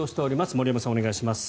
森山さん、お願いします。